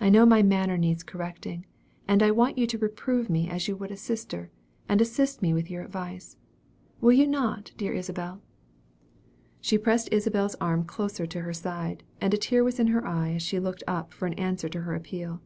I know my manner needs correcting; and I want you to reprove me as you would a sister, and assist me with your advice. Will you not, dear Isabel?" She pressed Isabel's arm closer to her side, and a tear was in her eye as she looked up for an answer to her appeal.